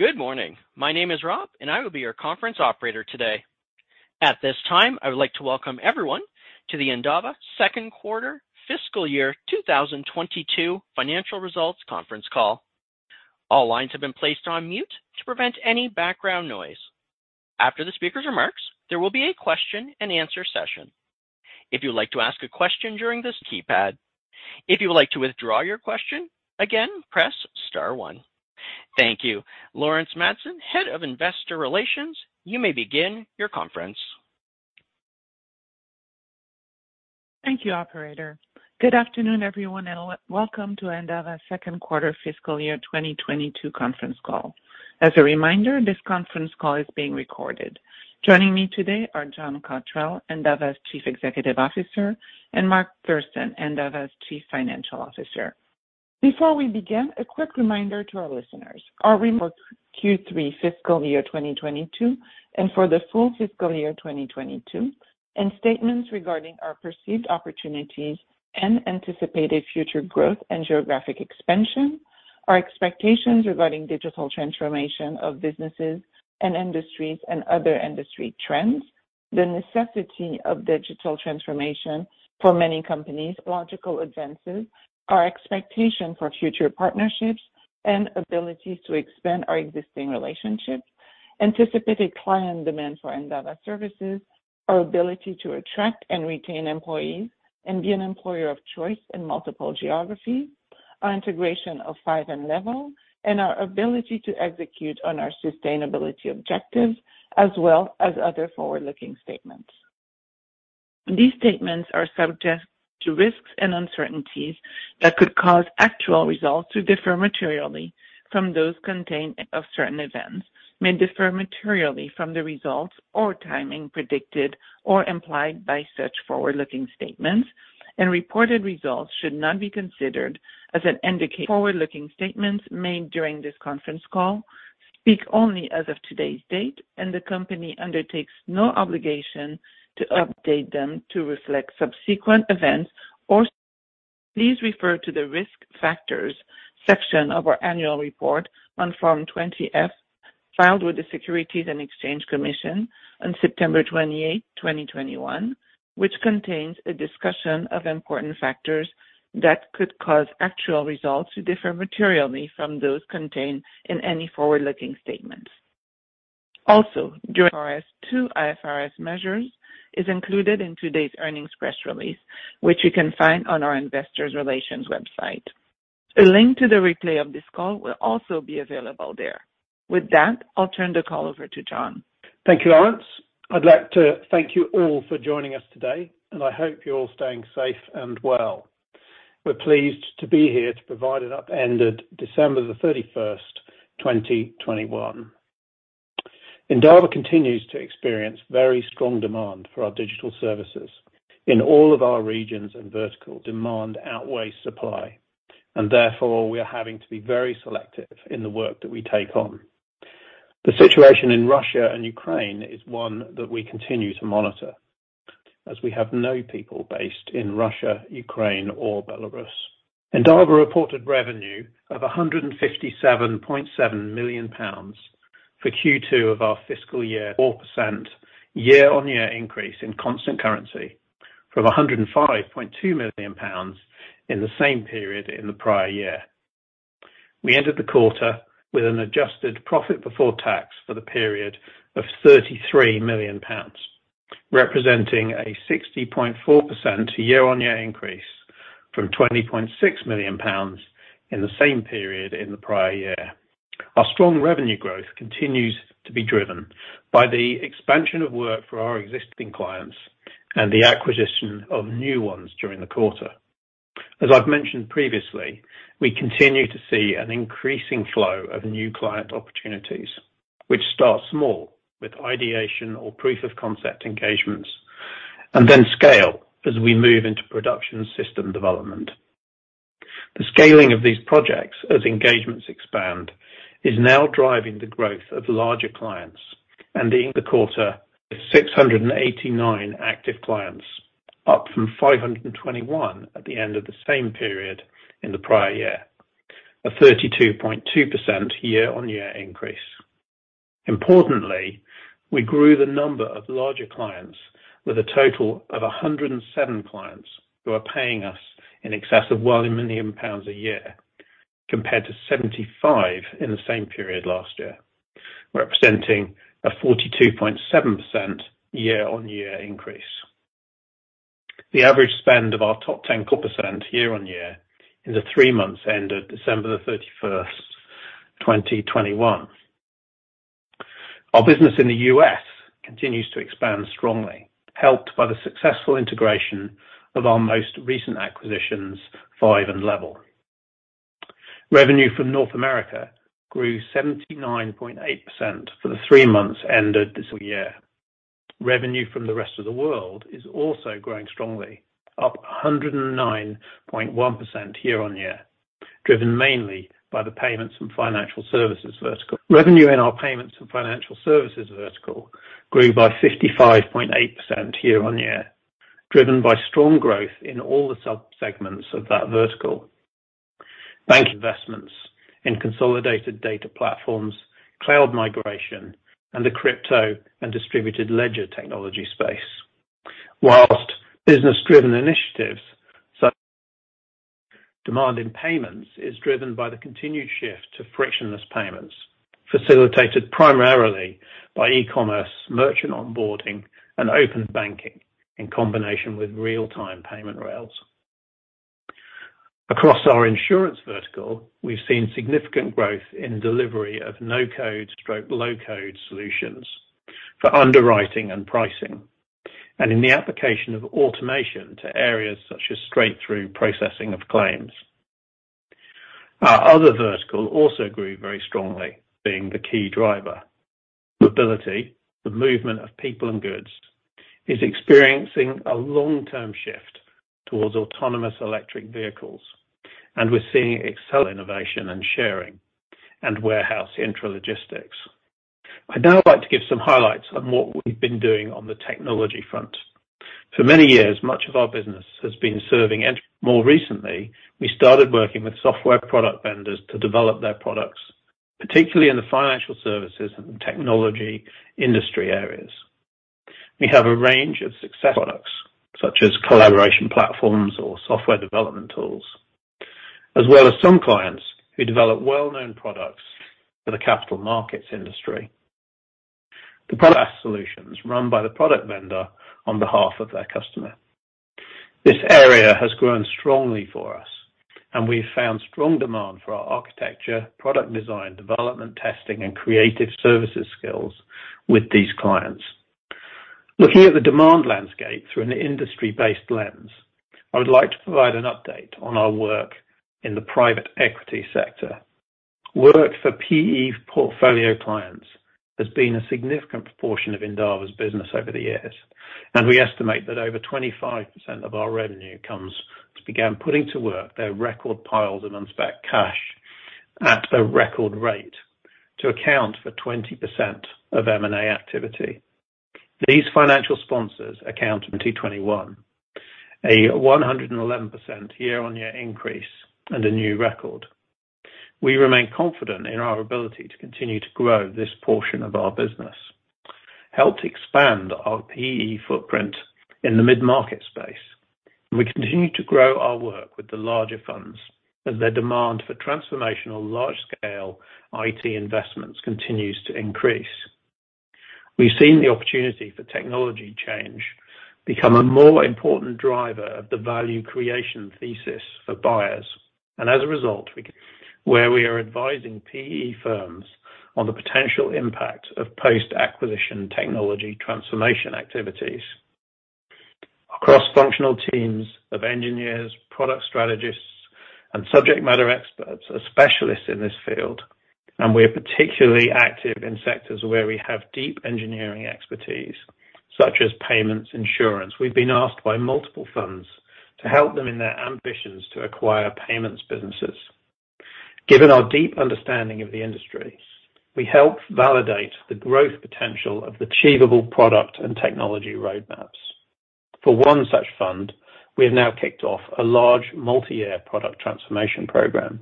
Good morning. My name is Rob, and I will be your conference operator today. At this time, I would like to welcome everyone to the Endava second quarter fiscal year 2022 financial results conference call. All lines have been placed on mute to prevent any background noise. After the speaker's remarks, there will be a question-and-answer session. If you'd like to ask a question, during this keypad. If you would like to withdraw your question, again, press star one. Thank you. Laurence Madsen, Head of Investor Relations. You may begin your conference. Thank you, operator. Good afternoon, everyone, and welcome to Endava second quarter fiscal year 2022 conference call. As a reminder, this conference call is being recorded. Joining me today are John Cotterell, Endava's Chief Executive Officer, and Mark Thurston, Endava's Chief Financial Officer. Before we begin, a quick reminder to our listeners. Our remarks Q3 fiscal year 2022 and for the full fiscal year 2022, and statements regarding our perceived opportunities and anticipated future growth and geographic expansion, our expectations regarding digital transformation of businesses and industries and other industry trends, the necessity of digital transformation for many companies, technological advances, our expectation for future partnerships and abilities to expand our existing relationships, anticipated client demand for Endava services, our ability to attract and retain employees and be an employer of choice in multiple geographies, our integration of FIVE and Levvel, and our ability to execute on our sustainability objectives as well as other forward-looking statements. These statements are subject to risks and uncertainties that could cause actual results to differ materially from those contained of certain events may differ materially from the results or timing predicted or implied by such forward-looking statements, and reported results should not be considered as an indicator of forward-looking statements made during this conference call speak only as of today's date, and the company undertakes no obligation to update them to reflect subsequent events or circumstances. Please refer to the Risk Factors section of our annual report on Form 20-F, filed with the Securities and Exchange Commission on September 28, 2021, which contains a discussion of important factors that could cause actual results to differ materially from those contained in any forward-looking statement. Also, discussion of non-IFRS measures is included in today's earnings press release, which you can find on our investor relations website. A link to the replay of this call will also be available there. With that, I'll turn the call over to John. Thank you, Laurence. I'd like to thank you all for joining us today, and I hope you're all staying safe and well. We're pleased to be here to provide an update for the year ended December 31st, 2021. Endava continues to experience very strong demand for our digital services. In all of our regions and verticals, demand outweighs supply, and therefore, we are having to be very selective in the work that we take on. The situation in Russia and Ukraine is one that we continue to monitor, as we have no people based in Russia, Ukraine, or Belarus. Endava reported revenue of 157.7 million pounds for Q2 of our fiscal year, 4% year-on-year increase in constant currency from 105.2 million pounds in the same period in the prior year. We ended the quarter with an adjusted profit before tax for the period of 33 million pounds, representing a 60.4% year-on-year increase from 20.6 million pounds in the same period in the prior year. Our strong revenue growth continues to be driven by the expansion of work for our existing clients and the acquisition of new ones during the quarter. As I've mentioned previously, we continue to see an increasing flow of new client opportunities, which start small with ideation or proof of concept engagements, and then scale as we move into production system development. The scaling of these projects as engagements expand is now driving the growth of larger clients. In the quarter, 689 active clients, up from 521 at the end of the same period in the prior year. A 32.2% year-on-year increase. Importantly, we grew the number of larger clients with a total of 107 clients who are paying us in excess of 1 million pounds a year, compared to 75 in the same period last year, representing a 42.7% year-on-year increase. The average spend of our top 10% year-on-year in the 3 months ended December 31st, 2021. Our business in the U.S. continues to expand strongly, helped by the successful integration of our most recent acquisitions, FIVE and Levvel. Revenue from North America grew 79.8% for the 3 months ended this year. Revenue from the rest of the world is also growing strongly, up 109.1% year-on-year, driven mainly by the payments and financial services vertical. Revenue in our payments and financial services vertical grew by 55.8% year-on-year. Driven by strong growth in all the sub-segments of that vertical. Bank investments in consolidated data platforms, cloud migration, and the crypto and distributed ledger technology space. While business-driven initiatives such demand in payments is driven by the continued shift to frictionless payments, facilitated primarily by e-commerce, merchant onboarding, and open banking in combination with real-time payment rails. Across our insurance vertical, we've seen significant growth in delivery of no-code/low-code solutions for underwriting and pricing, and in the application of automation to areas such as straight-through processing of claims. Our other vertical also grew very strongly, being the key driver. Mobility, the movement of people and goods, is experiencing a long-term shift towards autonomous electric vehicles, and we're seeing accelerated innovation and sharing and warehouse intralogistics. I'd now like to give some highlights on what we've been doing on the technology front. For many years, much of our business has been serving. More recently, we started working with software product vendors to develop their products, particularly in the financial services and technology industry areas. We have a range of successful products, such as collaboration platforms or software development tools, as well as some clients who develop well-known products for the capital markets industry. The product solutions run by the product vendor on behalf of their customer. This area has grown strongly for us, and we found strong demand for our architecture, product design, development, testing, and creative services skills with these clients. Looking at the demand landscape through an industry-based lens, I would like to provide an update on our work in the private equity sector. Work for PE portfolio clients has been a significant proportion of Endava's business over the years. We estimate that over 25% of our revenue comes to begin putting to work their record piles of unpacked cash at a record rate to account for 20% of M&A activity. These financial sponsors account in 2021, a 111% year-over-year increase and a new record. We remain confident in our ability to continue to grow this portion of our business. We helped expand our PE footprint in the mid-market space. We continue to grow our work with the larger funds as their demand for transformational large-scale IT investments continues to increase. We've seen the opportunity for technology change become a more important driver of the value creation thesis for buyers, and as a result, where we are advising PE firms on the potential impact of post-acquisition technology transformation activities. Our cross-functional teams of engineers, product strategists, and subject matter experts are specialists in this field, and we are particularly active in sectors where we have deep engineering expertise, such as payments and insurance. We've been asked by multiple funds to help them in their ambitions to acquire payments businesses. Given our deep understanding of the industry, we help validate the growth potential of the achievable product and technology roadmaps. For one such fund, we have now kicked off a large multi-year product transformation program.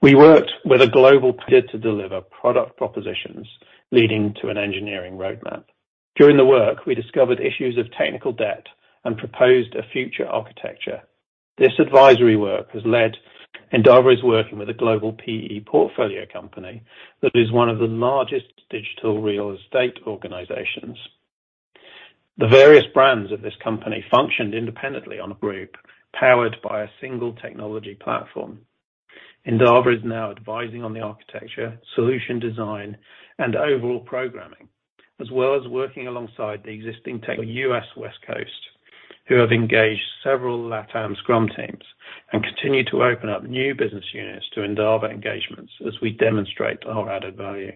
We worked with a global peer to deliver product propositions leading to an engineering roadmap. During the work, we discovered issues of technical debt and proposed a future architecture. This advisory work has led Endava is working with a global PE portfolio company that is one of the largest digital real estate organizations. The various brands of this company functioned independently on a group powered by a single technology platform. Endava is now advising on the architecture, solution design, and overall programming, as well as working alongside the existing tech the U.S. West Coast, who have engaged several LATAM Scrum teams and continue to open up new business units to Endava engagements as we demonstrate our added value.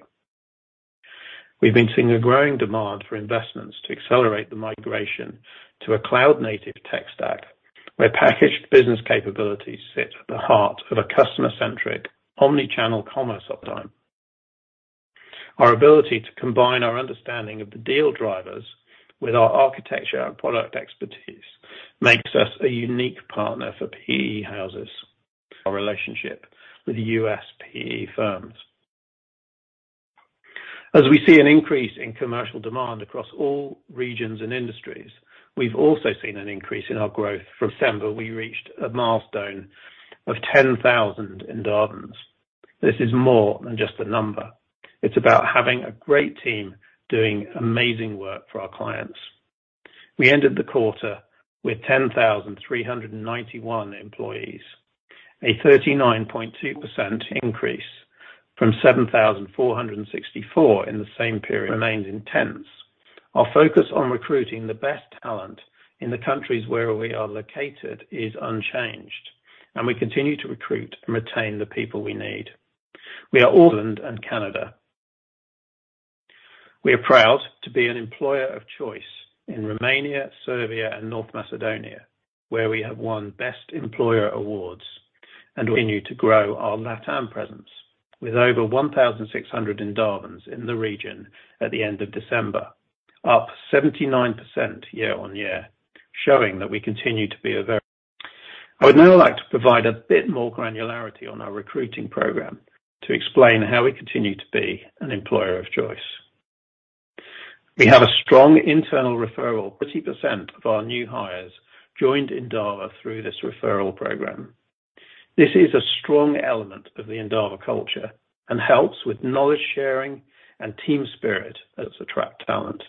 We've been seeing a growing demand for investments to accelerate the migration to a cloud-native tech stack, where packaged business capabilities sit at the heart of a customer-centric omni-channel commerce uptime. Our ability to combine our understanding of the deal drivers with our architecture and product expertise makes us a unique partner for PE houses. Our relationship with the U.S. PE firms. As we see an increase in commercial demand across all regions and industries, we've also seen an increase in our growth. From December, we reached a milestone of 10,000 Endavans. This is more than just a number. It's about having a great team doing amazing work for our clients. We ended the quarter with 10,391 employees, a 39.2% increase from 7,464 in the same period. Attrition remains intense. Our focus on recruiting the best talent in the countries where we are located is unchanged, and we continue to recruit and retain the people we need in Ireland and Canada. We are proud to be an employer of choice in Romania, Serbia, and North Macedonia, where we have won Best Employer awards. We continue to grow our LatAm presence with over 1,600 Endavans in the region at the end of December, up 79% year on year, showing that we continue to be a very. I would now like to provide a bit more granularity on our recruiting program to explain how we continue to be an employer of choice. We have a strong internal referral. 50% of our new hires joined Endava through this referral program. This is a strong element of the Endava culture and helps with knowledge-sharing and team spirit and attract talent.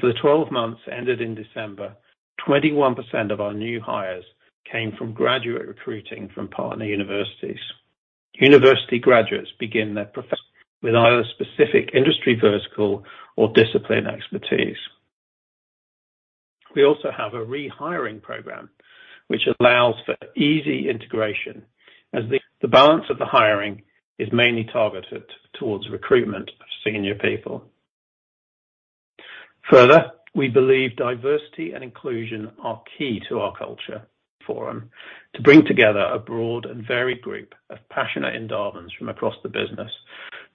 For the 12 months ended in December, 21% of our new hires came from graduate recruiting from partner universities. University graduates begin their professional careers with either specific industry vertical or discipline expertise. We also have a rehiring program which allows for easy integration as the balance of the hiring is mainly targeted towards recruitment of senior people. We believe diversity and inclusion are key to our culture forum to bring together a broad and varied group of passionate Endavans from across the business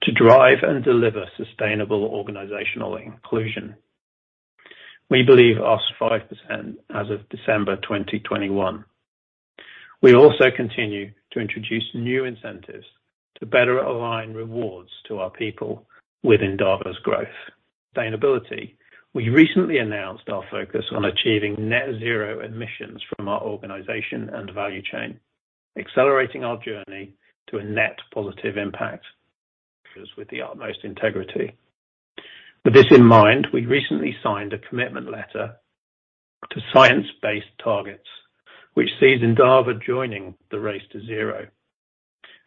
to drive and deliver sustainable organizational inclusion. We believe our was 5% as of December 2021. We also continue to introduce new incentives to better align rewards to our people with Endava's growth. Sustainability, we recently announced our focus on achieving net zero emissions from our organization and value chain, accelerating our journey to a net positive impact with the utmost integrity. With this in mind, we recently signed a commitment letter to Science-Based Targets which sees Endava joining the Race to Zero.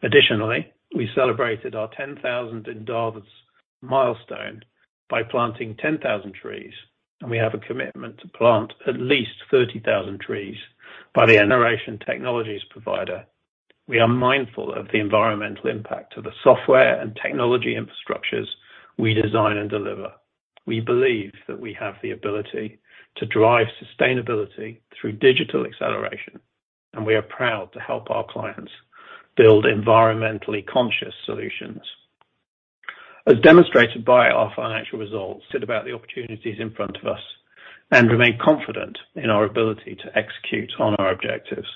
Additionally, we celebrated our 10,000 Endavans milestone by planting 10,000 trees, and we have a commitment to plant at least 30,000 trees by Next-Generation Technology Provider. We are mindful of the environmental impact of the software and technology infrastructures we design and deliver. We believe that we have the ability to drive sustainability through digital acceleration, and we are proud to help our clients build environmentally conscious solutions. As demonstrated by our financial results, we are excited about the opportunities in front of us and remain confident in our ability to execute on our objectives.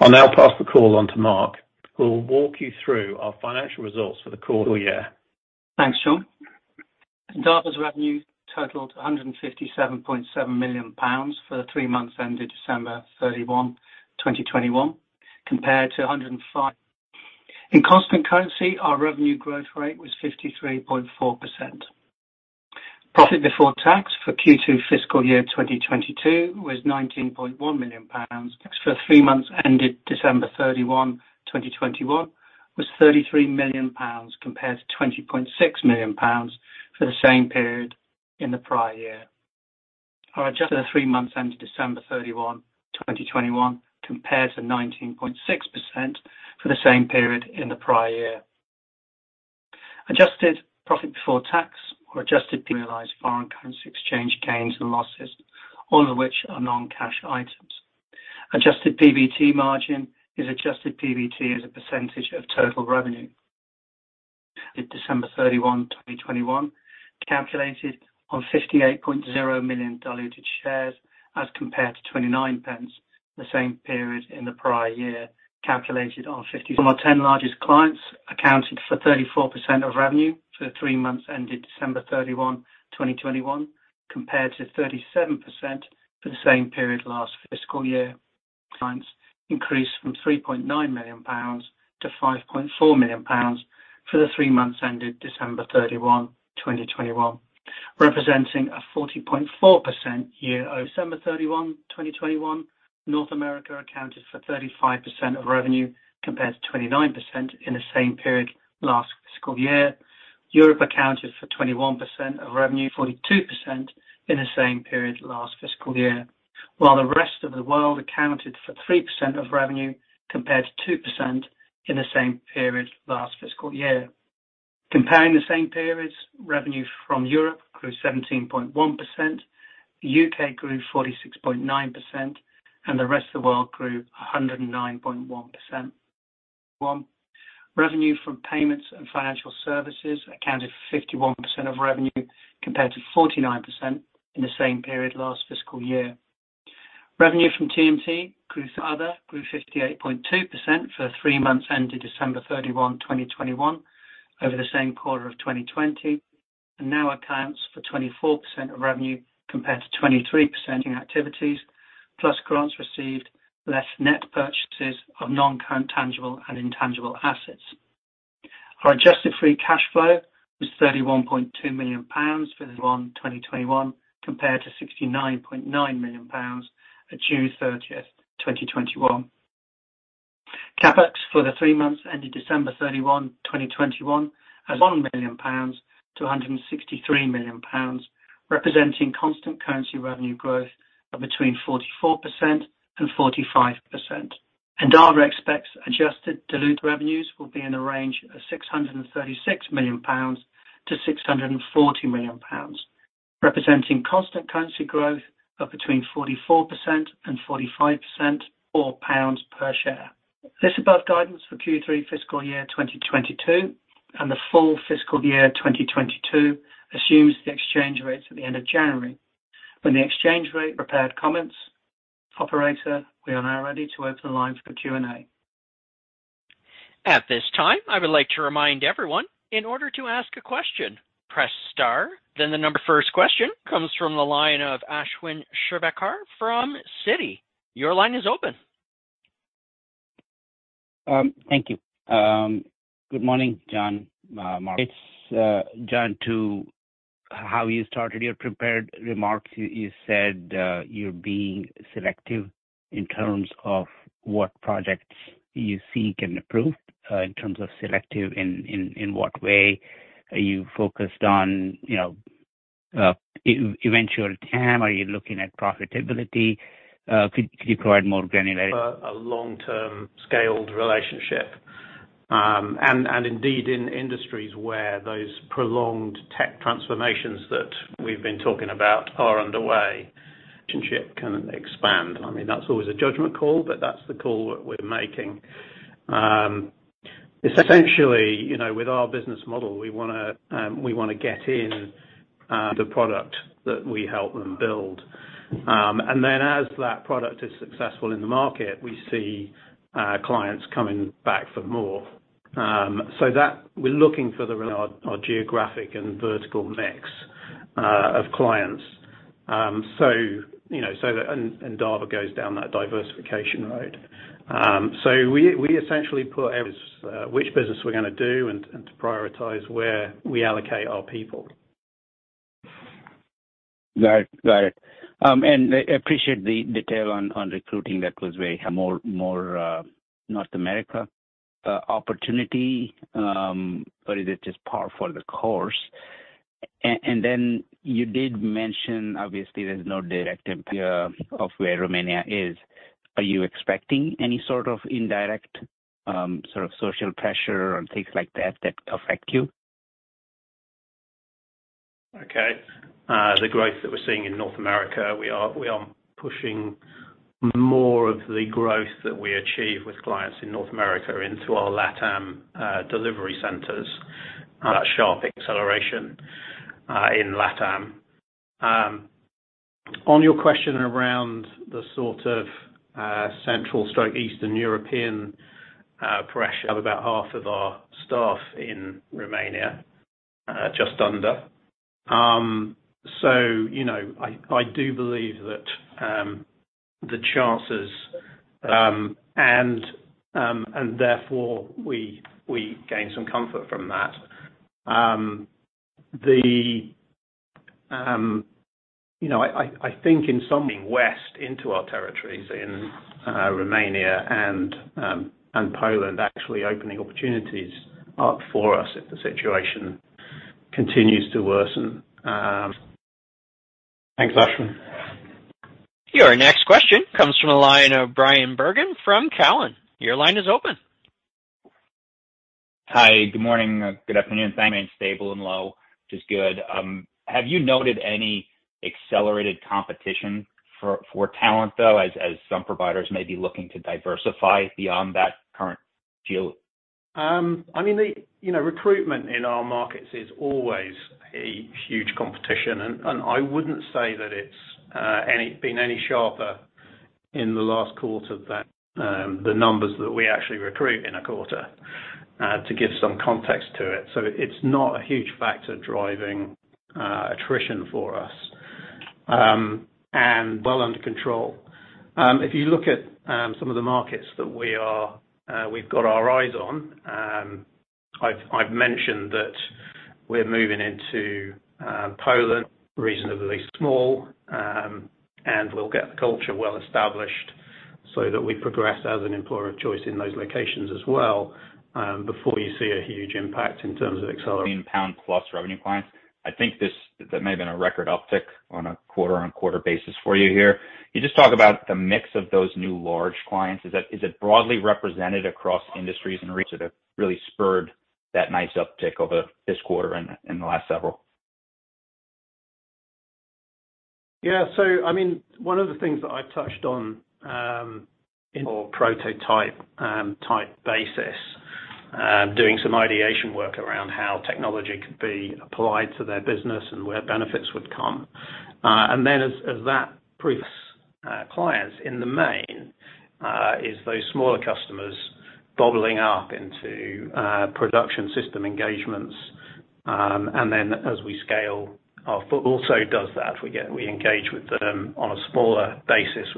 I'll now pass the call on to Mark, who will walk you through our financial results for the year. Thanks, John. Endava's revenue totaled 157.7 million pounds for the 3 months ended December 31, 2021 compared to 105 million. In constant currency, our revenue growth rate was 53.4%. Profit before tax for Q2 fiscal year 2022 was 19.1 million pounds. Adjusted PBT for the 3 months ended December 31, 2021 was 33 million pounds compared to 20.6 million pounds for the same period in the prior year. Our adjusted PBT margin for the 3 months ended December 31, 2021 compared to 19.6% for the same period in the prior year. Adjusted PBT excludes realized foreign currency exchange gains and losses, all of which are non-cash items. Adjusted PBT margin is adjusted PBT as a percentage of total revenue. December 31, 2021, calculated on 58.0 million diluted shares as compared to 29% the same period in the prior year. From our 10 largest clients accounted for 34% of revenue for 3 months ended December 31, 2021, compared to 37% for the same period last fiscal year. Clients increased from 3.9 million pounds to 5.4 million pounds for the 3 months ended December 31, 2021, representing a 40.4%. December 31, 2021, North America accounted for 35% of revenue, compared to 29% in the same period last fiscal year. Europe accounted for 21% of revenue, 42% in the same period last fiscal year, while the rest of the world accounted for 3% of revenue, compared to 2% in the same period last fiscal year. Comparing the same periods, revenue from Europe grew 17.1%, U.K. grew 46.9%, and the rest of the world grew 109.1%. Revenue from payments and financial services accounted for 51% of revenue, compared to 49% in the same period last fiscal year. Revenue from TMT grew 58.2% for 3 months ended December 31, 2021 over the same quarter of 2020, and now accounts for 24% of revenue compared to 23%. Activities, plus grants received less net purchases of non-current tangible and intangible assets. Our adjusted free cash flow was 31.2 million pounds for 2021 compared to 69.9 million pounds at June 30th, 2021. CapEx for the 3 months ended December 31, 2021 was 1 million pounds to 163 million pounds, representing constant currency revenue growth of between 44% and 45%. Endava expects adjusted diluted revenues will be in the range of 636 million pounds to 640 million pounds. Representing constant currency growth of 44%-45% or pounds per share. The above guidance for Q3 fiscal year 2022 and the full fiscal year 2022 assumes the exchange rates at the end of January as per the prepared comments. Operator, we are now ready to open the line for Q&A. At this time, I would like to remind everyone, in order to ask a question, press star, then the number. First question comes from the line of Ashwin Shirvaikar from Citi. Your line is open. Thank you. Good morning, John, Mark. John, to how you started your prepared remarks. You said you're being selective in terms of what projects you seek and approve. In what way are you focused on, you know, eventual TAM? Are you looking at profitability? Could you provide more granular. A long-term scaled relationship. Indeed in industries where those prolonged tech transformations that we've been talking about are underway. Relationship can expand. I mean, that's always a judgment call, but that's the call that we're making. Essentially, you know, with our business model, we wanna get in the product that we help them build. Then as that product is successful in the market, we see clients coming back for more. We're looking for our geographic and vertical mix of clients. You know, Endava goes down that diversification road. We essentially pick areas which business we're gonna do and to prioritize where we allocate our people. Got it. I appreciate the detail on recruiting that was very much a North America opportunity. Is it just par for the course? Then you did mention obviously there's no directive of where Romania is. Are you expecting any sort of indirect sort of social pressure on things like that affect you? The growth that we're seeing in North America, we are pushing more of the growth that we achieve with clients in North America into our LATAM delivery centers. Sharp acceleration in LATAM. On your question around the sort of Central and Eastern European pressure, we have about half of our staff in Romania, just under. So, you know, I think in some ways being based in our territories in Romania and Poland actually opening opportunities up for us if the situation continues to worsen. Thanks, Ashwin. Your next question comes from the line of Bryan Bergin from Cowen. Your line is open. Hi. Good morning. Good afternoon. Remain stable and low, which is good. Have you noted any accelerated competition for talent, though, as some providers may be looking to diversify beyond that current deal? I mean, you know, recruitment in our markets is always a huge competition. I wouldn't say that it's been any sharper in the last quarter than the numbers that we actually recruit in a quarter to give some context to it. It's not a huge factor driving attrition for us and well under control. If you look at some of the markets that we've got our eyes on, I've mentioned that we're moving into Poland reasonably small and we'll get the culture well established so that we progress as an employer of choice in those locations as well before you see a huge impact in terms of acceleration. GBP +1 million revenue clients. I think that may have been a record uptick on a quarter-over-quarter basis for you here. Can you just talk about the mix of those new large clients? Is it broadly represented across industries and regions that have really spurred that nice uptick over this quarter and in the last several? Yeah. I mean, one of the things that I touched on in more prototype-type basis doing some ideation work around how technology could be applied to their business and where benefits would come. Then as that proves, for clients in the main, it's those smaller customers bubbling up into production system engagements. Then as we scale, our PE also does that. We engage with them on a smaller basis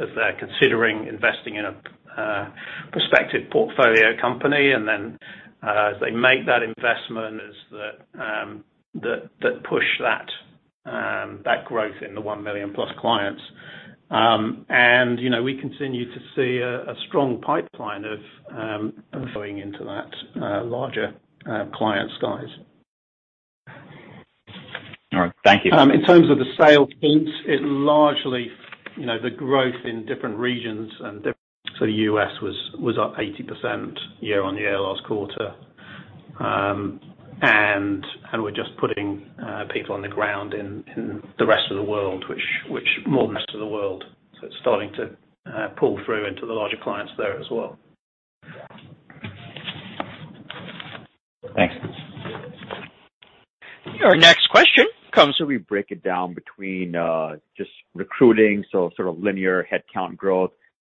as they're considering investing in a prospective portfolio company, and then as they make that investment, that pushes that growth in the one-million-plus clients. You know, we continue to see a strong pipeline of going into that larger client size. All right. Thank you. You know, the growth in different regions and different. The U.S. was up 80% year-on-year last quarter. We're just putting people on the ground in the rest of the world, which more rest of the world. It's starting to pull through into the larger clients there as well. Thanks. Your next question comes. We break it down between just recruiting, so sort of linear headcount growth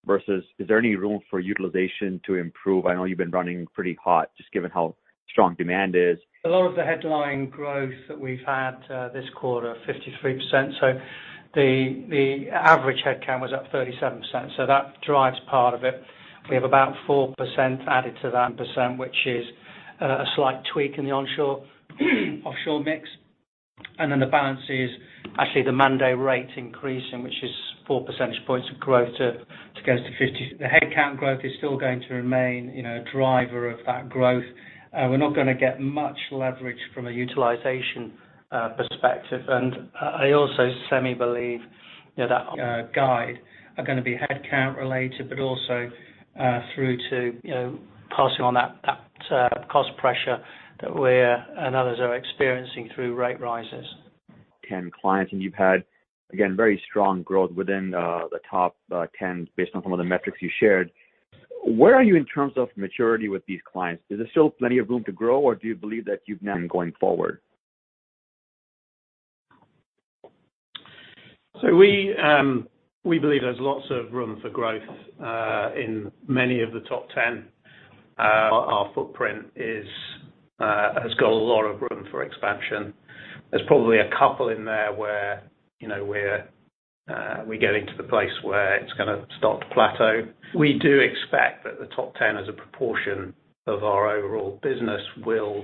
versus is there any room for utilization to improve? I know you've been running pretty hot just given how strong demand is. A lot of the headline growth that we've had this quarter, 53%. The average headcount was up 37%, so that drives part of it. We have about 4% added to that percent, which is a slight tweak in the onshore offshore mix. The balance is actually the man-day rate increase in which is 4 percentage points of growth to go to 50. The headcount growth is still going to remain, you know, a driver of that growth. We're not gonna get much leverage from a utilization perspective. I also seem to believe, you know, that guidance is gonna be headcount related, but also through to, you know, passing on that cost pressure that we're and others are experiencing through rate rises. 10 clients, and you've had, again, very strong growth within the top 10 based on some of the metrics you shared. Where are you in terms of maturity with these clients? Is there still plenty of room to grow, or do you believe that you've now been going forward? We believe there's lots of room for growth in many of the top 10. Our footprint has got a lot of room for expansion. There's probably a couple in there where, you know, we get into the place where it's gonna start to plateau. We do expect that the top 10 as a proportion of our overall business will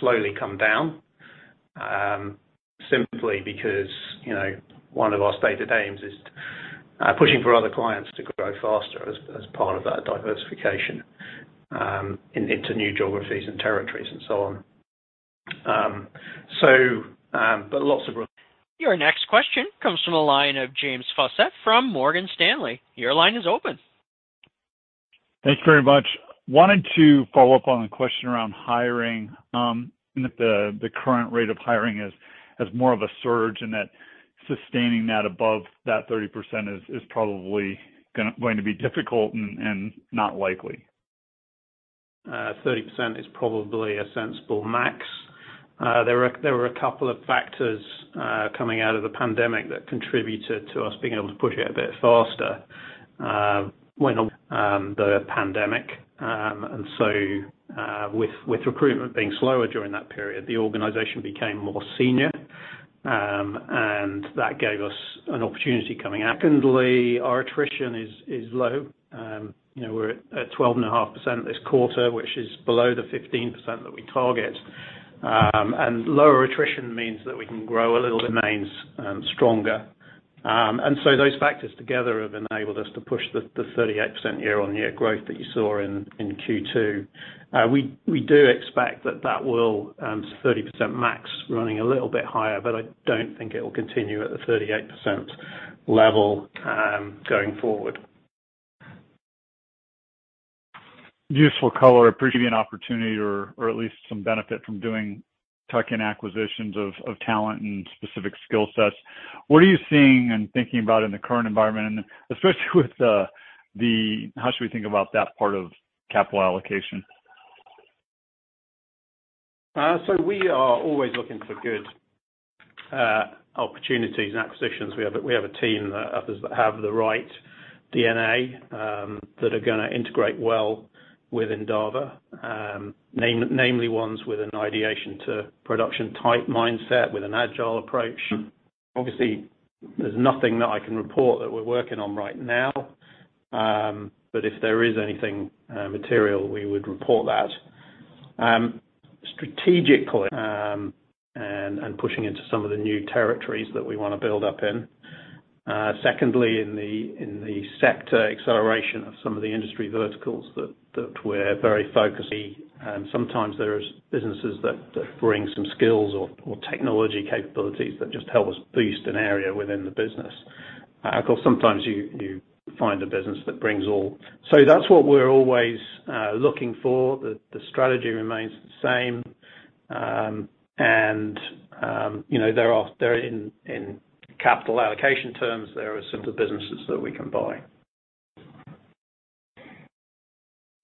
slowly come down simply because, you know, one of our stated aims is pushing for other clients to grow faster as part of that diversification into new geographies and territories and so on. But lots of room. Your next question comes from the line of James Faucette from Morgan Stanley. Your line is open. Thanks very much. Wanted to follow up on the question around hiring, and if the current rate of hiring is more of a surge and that sustaining that above that 30% is probably going to be difficult and not likely. 30% is probably a sensible max. There were a couple of factors coming out of the pandemic that contributed to us being able to push it a bit faster during the pandemic. With recruitment being slower during that period, the organization became more senior and that gave us an opportunity. Secondly, our attrition is low. You know, we're at 12.5% this quarter, which is below the 15% that we target. Lower attrition means that we can grow while utilization remains stronger. Those factors together have enabled us to push the 38% year-on-year growth that you saw in Q2. We do expect that will 30% max running a little bit higher, but I don't think it will continue at the 38% level going forward. Useful color. Appreciate an opportunity or at least some benefit from doing tuck-in acquisitions of talent and specific skill sets. What are you seeing and thinking about in the current environment, and especially with the, how should we think about that part of capital allocation? We are always looking for good opportunities and acquisitions. We have a team that others that have the right DNA that are gonna integrate well with Endava. Namely ones with an ideation to production type mindset with an Agile approach. Obviously, there's nothing that I can report that we're working on right now. If there is anything material, we would report that. Strategically pushing into some of the new territories that we wanna build up in. Secondly, in the sector acceleration of some of the industry verticals that we're very focused. Sometimes there's businesses that bring some skills or technology capabilities that just help us boost an area within the business. Of course, sometimes you find a business that brings all. That's what we're always looking for. The strategy remains the same. You know, in capital allocation terms, there are simpler businesses that we can buy.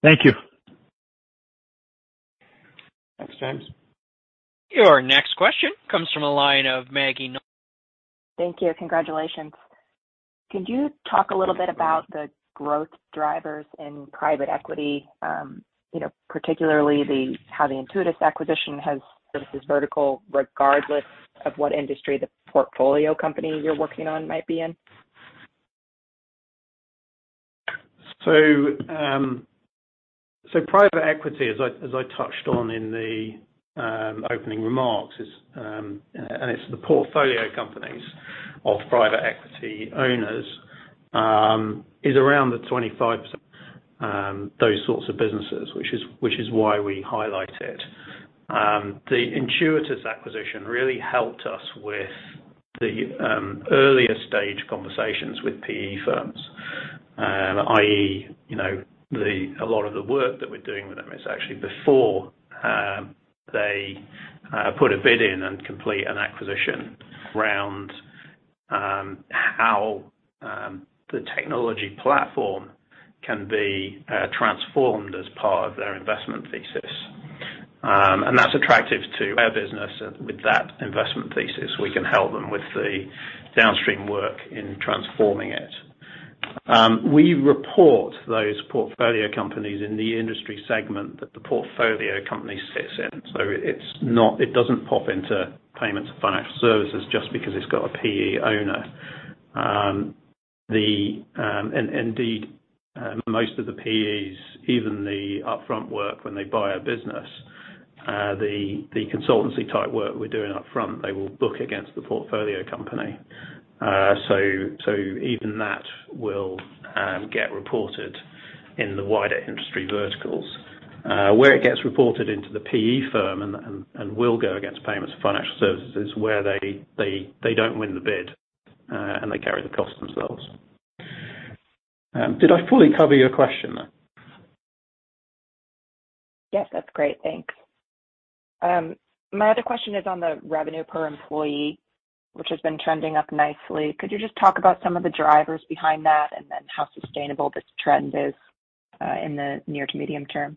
Thank you. Thanks, James. Your next question comes from the line of Maggie Nolan. Thank you. Congratulations. Could you talk a little bit about the growth drivers in private equity, you know, particularly how the Intuitus acquisition has services vertical regardless of what industry the portfolio company you're working on might be in? Private equity, as I touched on in the opening remarks, is, and it's the portfolio companies of private equity owners, is around the 25%. Those sorts of businesses, which is why we highlight it. The Intuitus acquisition really helped us with the earlier stage conversations with PE firms. i.e., you know, a lot of the work that we're doing with them is actually before they put a bid in and complete an acquisition around how the technology platform can be transformed as part of their investment thesis. That's attractive to our business. With that investment thesis, we can help them with the downstream work in transforming it. We report those portfolio companies in the industry segment that the portfolio company sits in. It doesn't pop into payments and financial services just because it's got a PE owner. Most of the PEs, even the upfront work when they buy a business, the consultancy type work we're doing upfront, they will book against the portfolio company. Even that will get reported in the wider industry verticals. Where it gets reported into the PE firm and will go against payments and financial services where they don't win the bid, and they carry the cost themselves. Did I fully cover your question? Yes, that's great. Thanks. My other question is on the revenue per employee, which has been trending up nicely. Could you just talk about some of the drivers behind that and then how sustainable this trend is in the near to medium term?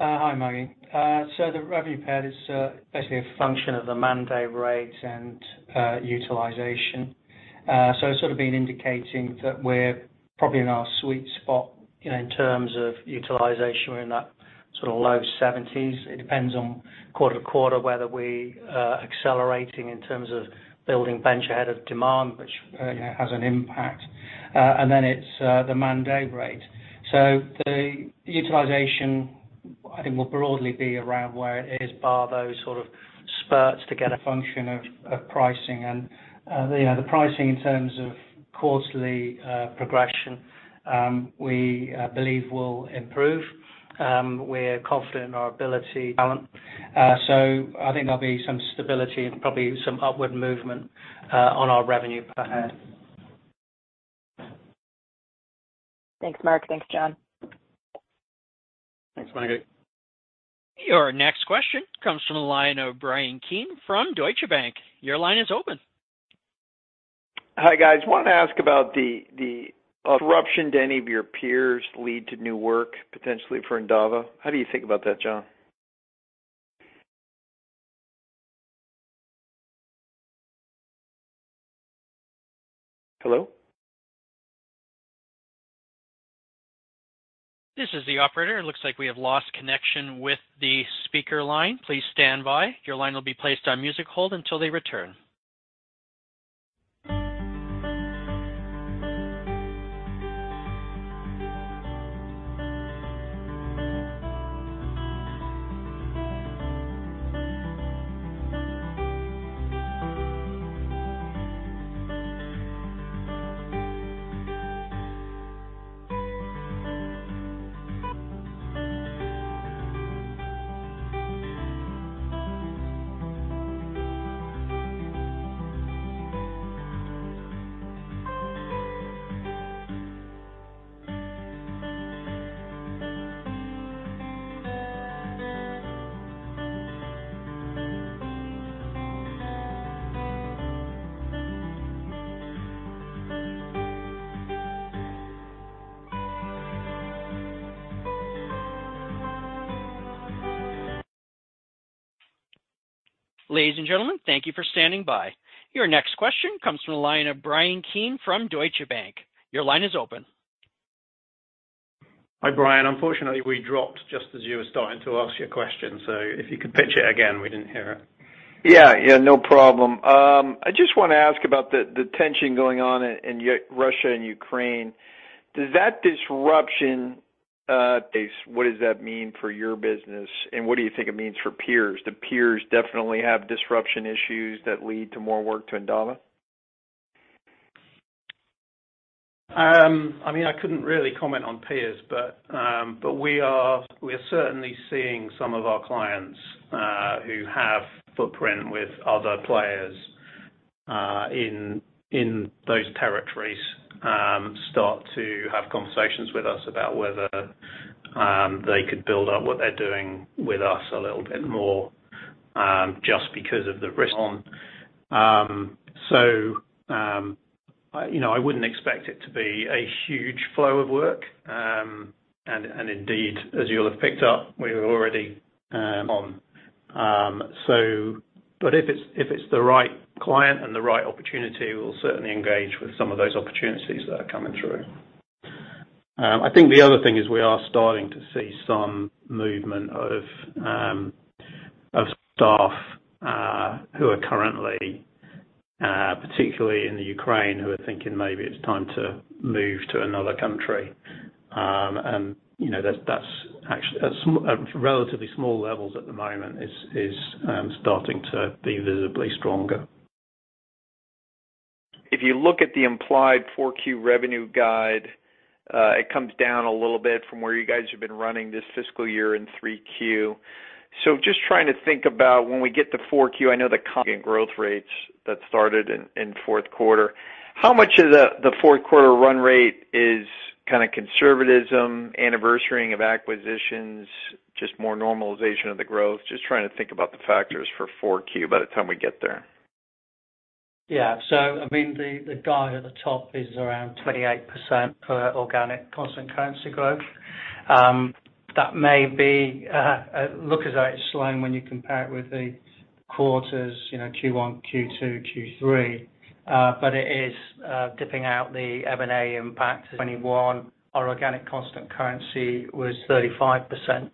Hi, Maggie. The revenue per head is basically a function of the man-day rate and utilization. It's sort of been indicating that we're probably in our sweet spot, you know, in terms of utilization. We're in that sort of low 70s. It depends on quarter to quarter whether we are accelerating in terms of building bench ahead of demand, which, you know, has an impact. Then it's the man-day rate. The utilization, I think, will broadly be around where it is bar those sort of spurts. It's a function of pricing. You know, the pricing in terms of quarterly progression, we believe will improve. We're confident in our ability to balance. I think there'll be some stability and probably some upward movement on our revenue per head. Thanks, Mark. Thanks, John. Thanks, Maggie. Your next question comes from the line of Bryan Keane from Deutsche Bank. Your line is open. Hi, guys. I wanted to ask about the disruption to any of your peers leading to new work potentially for Endava. How do you think about that, John? Hello? This is the operator looks like we have lost connection with the speaker line, please stand by your line will be placed on music hold until they return. Ladies and gentlemen, thank you for standing by. Your next question comes from the line of Bryan Keane from Deutsche Bank. Your line is open. Hi, Brian. Unfortunately, we dropped just as you were starting to ask your question, so if you could pitch it again, we didn't hear it. Yeah, yeah, no problem. I just wanna ask about the tension going on in Russia and Ukraine. Does that disruption, what does that mean for your business, and what do you think it means for peers? Do peers definitely have disruption issues that lead to more work to Endava? I mean, I couldn't really comment on peers, but we are certainly seeing some of our clients who have footprint with other players in those territories start to have conversations with us about whether they could build up what they're doing with us a little bit more, just because of the risk. You know, I wouldn't expect it to be a huge flow of work. Indeed, as you'll have picked up, we're already on. If it's the right client and the right opportunity, we'll certainly engage with some of those opportunities that are coming through. I think the other thing is we are starting to see some movement of staff who are currently particularly in the Ukraine who are thinking maybe it's time to move to another country. You know, that's actually at relatively small levels at the moment is starting to be visibly stronger. If you look at the implied 4Q revenue guide, it comes down a little bit from where you guys have been running this fiscal year in 3Q. Just trying to think about when we get to 4Q, I know the current growth rates that started in fourth quarter. How much of the fourth quarter run rate is kind of conservatism, anniversarying of acquisitions, just more normalization of the growth? Just trying to think about the factors for 4Q by the time we get there. I mean, the guide at the top is around 28% for organic constant currency growth. That may look as though it's slowing when you compare it with the quarters, you know, Q1, Q2, Q3, but it is taking out the M&A impact of 2021. Our organic constant currency was 35%, you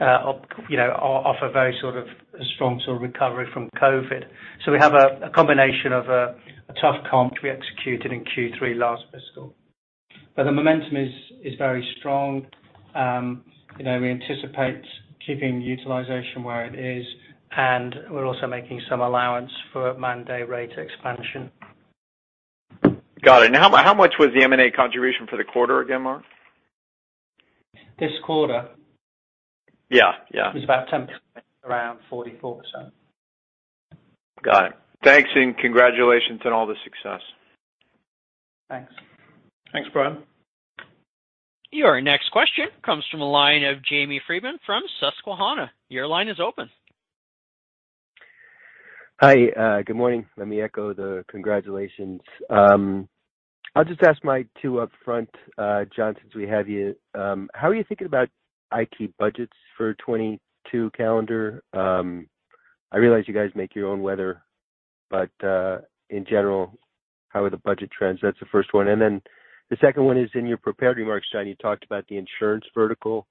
know, of a very sort of strong sort of recovery from COVID. We have a combination of a tough comp we executed in Q3 last fiscal. But the momentum is very strong. You know, we anticipate keeping utilization where it is, and we're also making some allowance for man-day rate expansion. Got it. How much was the M&A contribution for the quarter again, Mark? This quarter? Yeah, yeah. It's about 10%, around 44%. Got it. Thanks and congratulations on all the success. Thanks. Thanks, Brian. Your next question comes from the line of Jamie Friedman from Susquehanna. Your line is open. Hi, good morning. Let me echo the congratulations. I'll just ask my two upfront, John, since we have you. How are you thinking about IT budgets for 2022 calendar? I realize you guys make your own weather, but, in general, how are the budget trends? That's the first one. The second one is in your prepared remarks, John, you talked about the insurance vertical.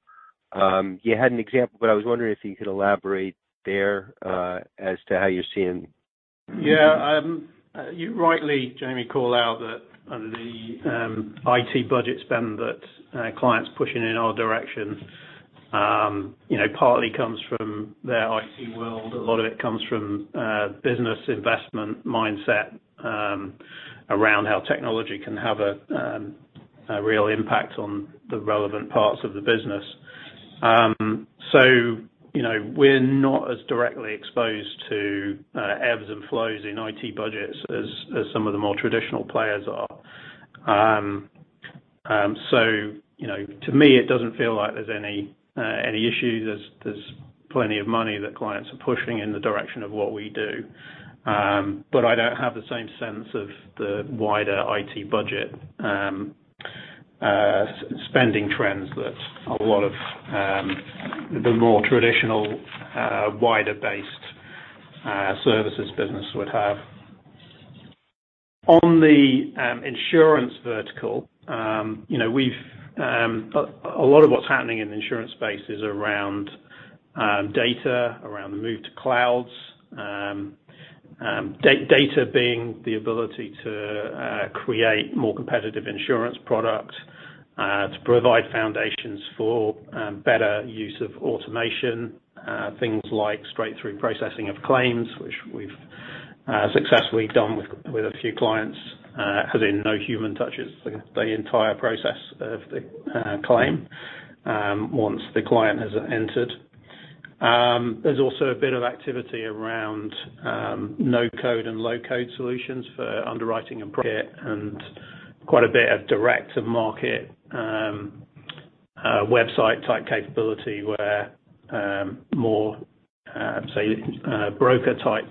You had an example, but I was wondering if you could elaborate there, as to how you're seeing. Yeah. You rightly, Jamie, call out that the IT budget spend that clients pushing in our direction, you know, partly comes from their IT world. A lot of it comes from business investment mindset around how technology can have a real impact on the relevant parts of the business. You know, we're not as directly exposed to ebbs and flows in IT budgets as some of the more traditional players are. You know, to me, it doesn't feel like there's any issues. There's plenty of money that clients are pushing in the direction of what we do. But I don't have the same sense of the wider IT budget spending trends that a lot of the more traditional wider-based services business would have. On the insurance vertical, you know, we've a lot of what's happening in the insurance space is around data, around the move to clouds. Data being the ability to create more competitive insurance product to provide foundations for better use of automation, things like straight-through processing of claims, which we've successfully done with a few clients, as in no human touches the entire process of the claim once the client has entered. There's also a bit of activity around no-code and low-code solutions for underwriting and quite a bit of direct-to-market website type capability where more, say, broker type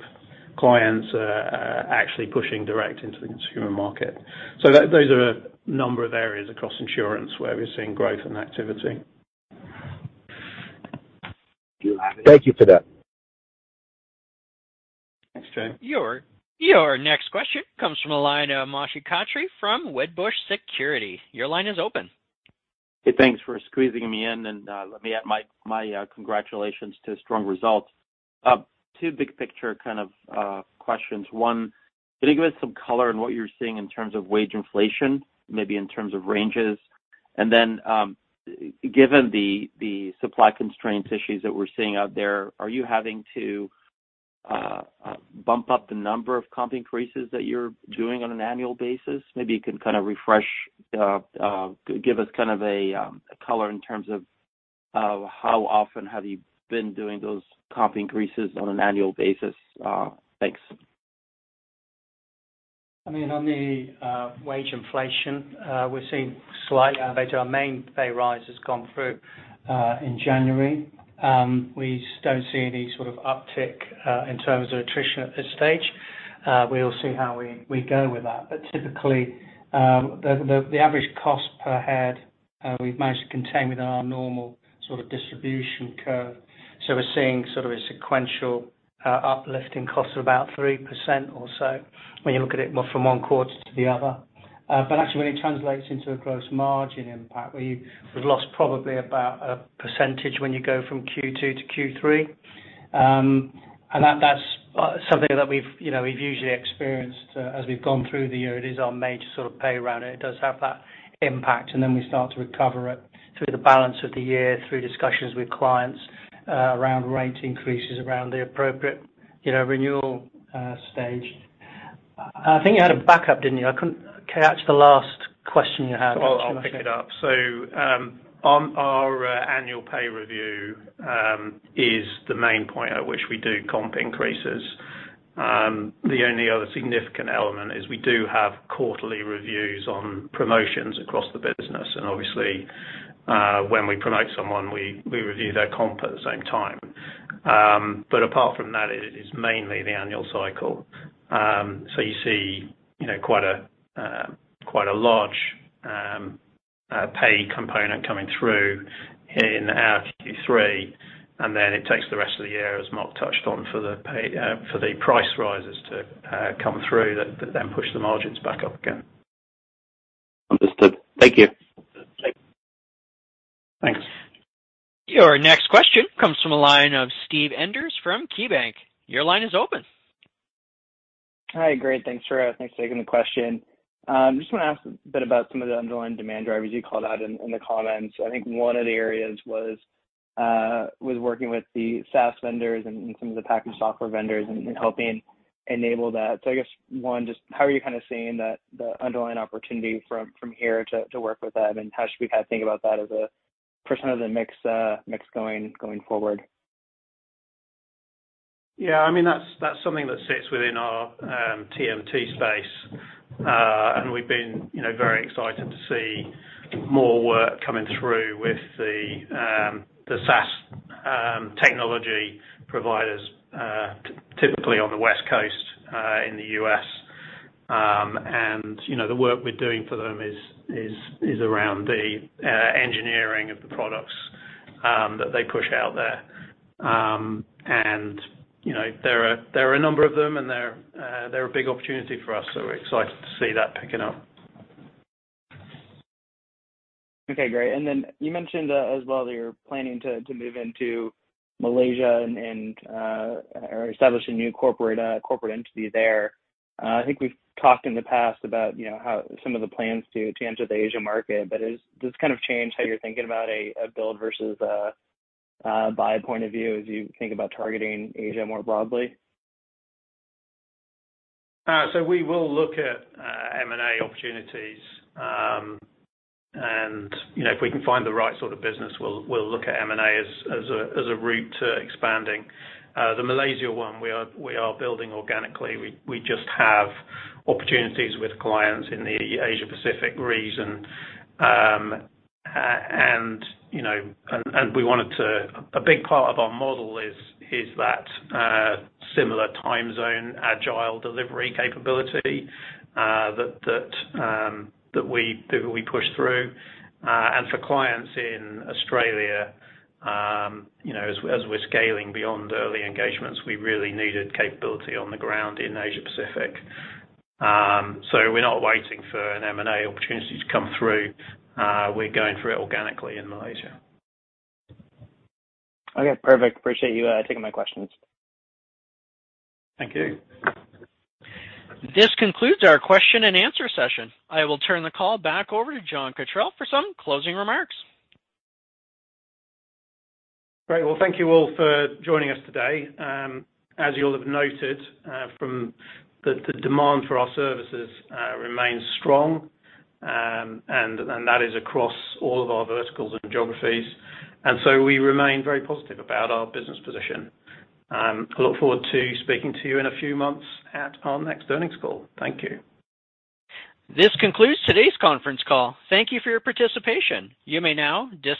clients are actually pushing direct into the consumer market. Those are a number of areas across insurance where we're seeing growth and activity. Thank you for that. Thanks, Jamie. Your next question comes from the line of Moshe Katri from Wedbush Securities. Your line is open. Hey, thanks for squeezing me in, and let me add my congratulations to strong results. Two big picture kind of questions. One, can you give us some color on what you're seeing in terms of wage inflation, maybe in terms of ranges? Given the supply constraints issues that we're seeing out there, are you having to bump up the number of comp increases that you're doing on an annual basis? Maybe you can kind of give us kind of a color in terms of how often have you been doing those comp increases on an annual basis? Thanks. I mean, on the wage inflation, we're seeing slight elevation. Our main pay rise has gone through in January. We don't see any sort of uptick in terms of attrition at this stage. We'll see how we go with that. Typically, the average cost per head, we've managed to contain within our normal sort of distribution curve. We're seeing sort of a sequential uplift in costs of about 3% or so when you look at it from one quarter to the other. Actually, when it translates into a gross margin impact, where we've lost probably about 1% when you go from Q2 to Q3. That's something that we've you know usually experienced as we've gone through the year. It is our major sort of pay round, and it does have that impact. We start to recover it through the balance of the year, through discussions with clients, around rate increases, around the appropriate, you know, renewal, stage. I think you had a backup, didn't you? I couldn't catch the last question you had. I'll pick it up. On our annual pay review is the main point at which we do comp increases. The only other significant element is we do have quarterly reviews on promotions across the business. Obviously, when we promote someone, we review their comp at the same time. Apart from that, it is mainly the annual cycle. You see, you know, quite a large pay component coming through in our Q3, and then it takes the rest of the year, as Mark touched on, for the price rises to come through that then push the margins back up again. Understood. Thank you. Thanks. Your next question comes from the line of Steve Enders from KeyBanc. Your line is open. Hi. Great. Thanks for taking the question. Just wanna ask a bit about some of the underlying demand drivers you called out in the comments. I think one of the areas was working with the SaaS vendors and some of the packaged software vendors and helping enable that. I guess one, just how are you kind of seeing that, the underlying opportunity from here to work with them, and how should we kind of think about that as a percent of the mix going forward? Yeah, I mean, that's something that sits within our TMT space. We've been, you know, very excited to see more work coming through with the SaaS technology providers, typically on the West Coast, in the U.S. You know, the work we're doing for them is around the engineering of the products that they push out there. You know, there are a number of them, and they're a big opportunity for us, so we're excited to see that picking up. Okay, great. You mentioned as well that you're planning to move into Malaysia or establish a new corporate entity there. I think we've talked in the past about, you know, how some of the plans to enter the Asia market. Does this kind of change how you're thinking about a build versus a buy point of view as you think about targeting Asia more broadly? We will look at M&A opportunities. You know, if we can find the right sort of business, we'll look at M&A as a route to expanding. The Malaysia one, we are building organically. We just have opportunities with clients in the Asia Pacific region, you know, and we wanted to. A big part of our model is that similar time zone Agile delivery capability that we push through. For clients in Australia, you know, as we're scaling beyond early engagements, we really needed capability on the ground in Asia Pacific. We're not waiting for an M&A opportunity to come through. We're going through it organically in Malaysia. Okay, perfect. Appreciate you taking my questions. Thank you. This concludes our question and answer session. I will turn the call back over to John Cotterell for some closing remarks. Great. Well, thank you all for joining us today. As you all have noted, the demand for our services remains strong, and that is across all of our verticals and geographies. We remain very positive about our business position. I look forward to speaking to you in a few months at our next earnings call. Thank you. This concludes today's conference call. Thank you for your participation. You may now dis.